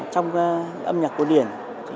trong âm nhạc cổ điển